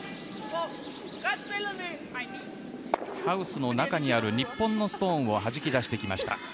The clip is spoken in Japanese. ハウスの中にある日本のストーンをはじき出してきました。